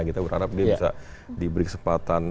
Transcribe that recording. kita berharap dia bisa diberi kesempatan